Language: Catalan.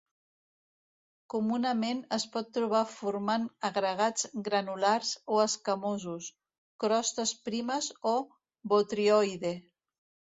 Comunament es pot trobar formant agregats granulars o escamosos, crostes primes o botrioide.